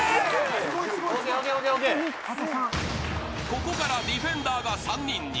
［ここからディフェンダーが３人に］